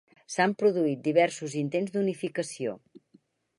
S'han produït diversos intents d'unificació.